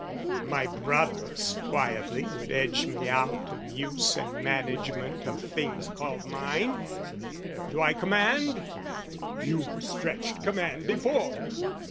My brothers quietly would edge me out Of use and management of things called mine; Do I command? "You stretched command before!"